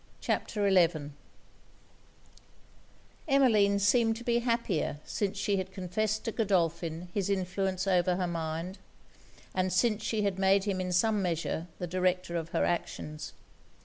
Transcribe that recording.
] CHAPTER XI Emmeline seemed to be happier since she had confessed to Godolphin his influence over her mind, and since she had made him in some measure the director of her actions.